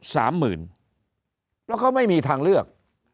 แล้วเขาไม่มีทางเลือก